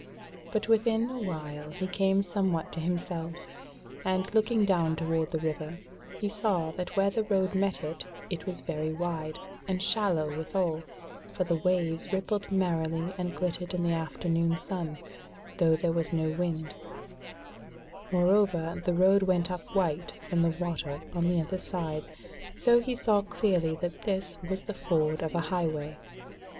But within a while he came somewhat to himself, and, looking down toward the river, he saw that where the road met it, it was very wide, and shallow withal, for the waves rippled merrily and glittered in the afternoon sun, though there was no wind; moreover the road went up white from the water on the other side, so he saw clearly that this was the ford of a highway.